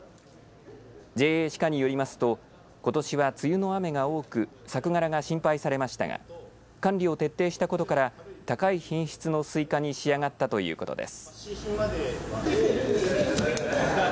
ＪＡ志賀によりますとことしは梅雨の雨が多く作柄が心配されましたが管理を徹底したことから高い品質のすいかに仕上がったということです。